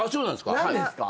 何ですか？